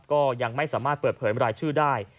ก็ยังไม่สามารถเปิดเผยรายชื่อได้